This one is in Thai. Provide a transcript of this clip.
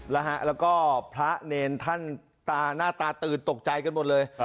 แล้วก็พระเนรท่านตาหน้าตาตื่นตกใจกันหมดเลย